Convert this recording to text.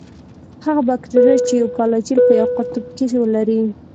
هغه باکتریاوې چې یو فلاجیل په یوه قطب کې ولري.